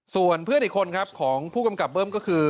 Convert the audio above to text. ส่วนเพื่อนอีกคนครับของผู้กำกับเบิ้มก็คือ